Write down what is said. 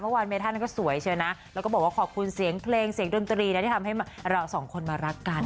เมื่อวานเมธันก็สวยเชียวนะแล้วก็บอกว่าขอบคุณเสียงเพลงเสียงดนตรีนะที่ทำให้เราสองคนมารักกัน